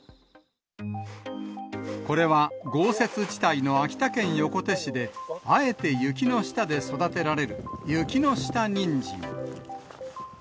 これは豪雪地帯の秋田県横手市で、あえて雪の下で育てられる、雪の下にんじん。